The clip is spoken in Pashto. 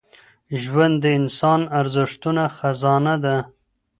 ژوند د انساني ارزښتونو خزانه ده